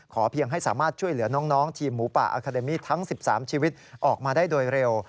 เพียงให้สามารถช่วยเหลือน้องทีมหมูป่าอาคาเดมี่ทั้ง๑๓ชีวิตออกมาได้โดยเร็ว